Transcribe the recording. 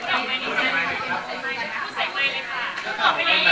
ต้องกดไม่ได้ยินเลยค่ะ